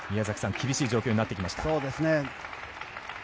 厳しい状況になってきました。